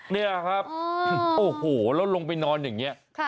นี่ครับโอ้โหแล้วลงไปนอนอย่างนี้